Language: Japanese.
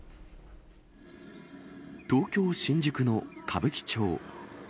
東京・新宿の歌舞伎町。